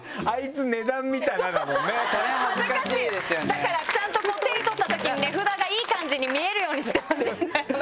だからちゃんと手に取ったときに値札がいい感じに見えるようにしてほしいんだよな。